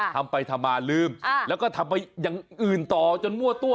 ทำไปทำมาลืมแล้วก็ทำไปอย่างอื่นต่อจนมั่วตัว